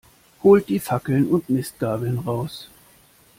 Holt die Fackeln und Mistgabeln raus!